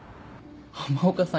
・浜岡さん